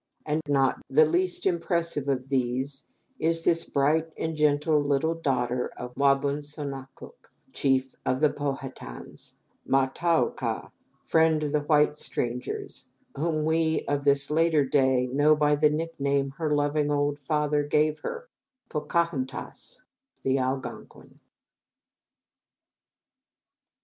And not the least impressive of these is this bright and gentle little daughter of Wa bun so na cook, chief of the Pow ha tans, Ma ta oka, friend of the white strangers, whom we of this later day know by the nickname her loving old father gave her Po ca hun tas, the Algonquin.